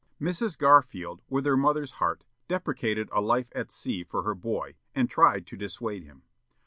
Mrs. Garfield, with her mother's heart, deprecated a life at sea for her boy, and tried to dissuade him.